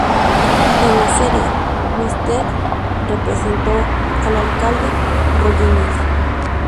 En la serie "Twisted" representó al alcalde Rollins.